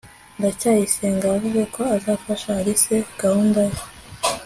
ndacyayisenga yavuze ko azafasha alice gahunda ye